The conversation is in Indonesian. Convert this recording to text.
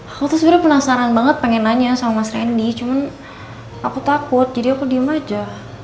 aku tuh sebenarnya penasaran banget pengen nanya sama mas randy cuman aku takut jadi aku diem aja